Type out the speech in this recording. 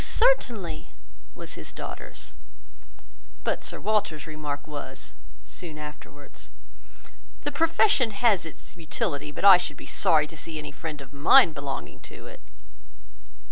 certainly," was his daughter's; but Sir Walter's remark was, soon afterwards— "The profession has its utility, but I should be sorry to see any friend of mine belonging to it."